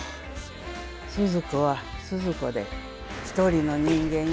鈴子は鈴子で一人の人間や。